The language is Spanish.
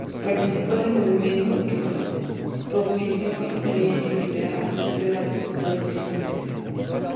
Participó en el movimiento que propició el Trienio Liberal y sufrió la represión posterior.